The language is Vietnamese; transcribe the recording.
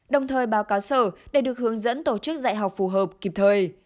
đồng thời báo cáo sở để được hướng dẫn tổ chức dạy học phù hợp kịp thời